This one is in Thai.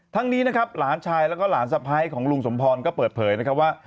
ทั้งนี้นะครับหลานชายแล้วก็หลานสะพ้ายของลุงสมพรก็เปิดเผยนะครับว่า